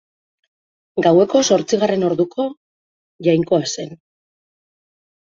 Gaueko zortzigarren orduko jainkoa zen.